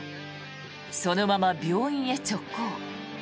そのまま病院へ直行。